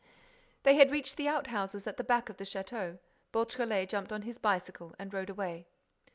They had reached the out houses at the back of the château. Beautrelet jumped on his bicycle and rode away.